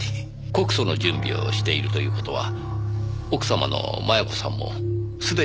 告訴の準備をしているという事は奥様の摩耶子さんもすでにご存じでらっしゃる？